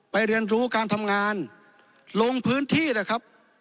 เรียนรู้การทำงานลงพื้นที่นะครับ